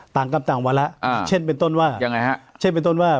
ต่างกันต่างวันละเช่นเป็นต้นว่า